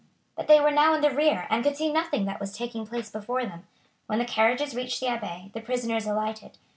But they were now in the rear, and could see nothing that was taking place before them. When the carriages reached the Abbaye the prisoners alighted.